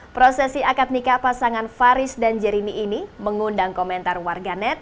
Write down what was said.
prosesi akad nikah pasangan faris dan jerini ini mengundang komentar warganet